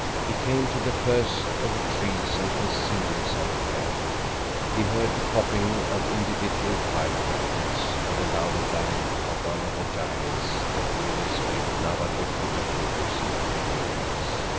He came to the first of the trees and concealed himself carefully. He heard the popping of individual firecrackers and the louder bang of one of the "giants" that always made Nawadlook put her fingers in her pretty ears.